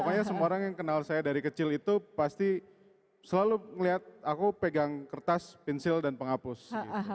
pokoknya semua orang yang kenal saya dari kecil itu pasti selalu ngeliat aku pegang kertas pensil dan penghapus